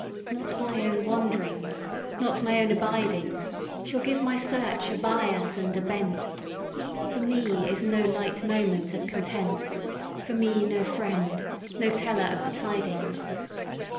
Not my own wand'rings not my own abidings Shall give my search a bias and a bent. For me is no light moment of content, For me no friend, no teller of the tidings.